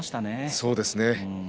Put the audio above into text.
そうですね。